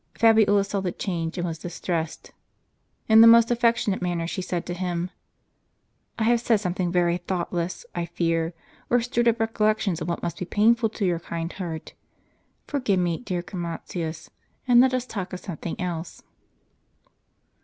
Fabiola saw the change, and was distressed. In the most affectionate manner she said to him, " I have said something very thoughtless, I fear, or stirred up recollections of what must be painful to your kind heart. Forgive me, dear Chromatins, and let us talk of something else.